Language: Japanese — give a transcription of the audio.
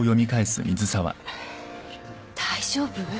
大丈夫？